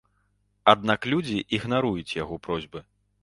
Аднак людзі ігнаруюць яго просьбы.